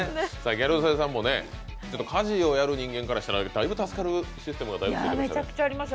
ギャル曽根さんも家事をやる人間からしたらだいぶ助かるシステムがついてました。